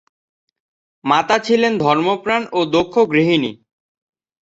মাতা ছিলেন ধর্মপ্রাণ ও দক্ষ গৃহিণী।